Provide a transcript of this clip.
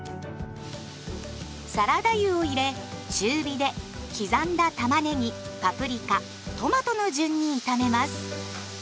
サラダ油を入れ中火で刻んだたまねぎパプリカトマトの順に炒めます。